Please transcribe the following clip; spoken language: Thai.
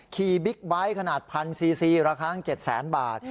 ขี่บิ๊กไบค์ขนาดพันซีซีละครั้งเจ็ดแสนบาท